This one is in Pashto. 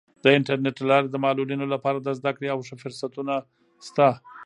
د انټرنیټ له لارې د معلولینو لپاره د زده کړې او ښه فرصتونه سته.